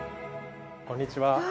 こんにちは。